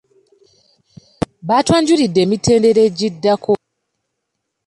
Baatwanjulidde emitendera egiddako.